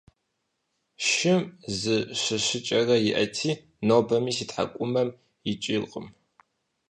Шым зы щыщыкӀэрэ иӀэти, нобэми си тхьэкӀумэм икӀыркъым…